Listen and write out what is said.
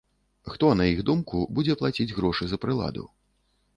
Хто, на іх думку, будзе плаціць грошы за прыладу?